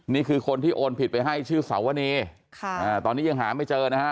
นี่คือคนที่โอนผิดไปให้ชื่อสวนีตอนนี้ยังหาไม่เจอนะฮะ